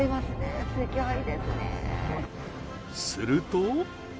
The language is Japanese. すると。